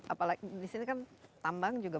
apalagi disini kan tambang juga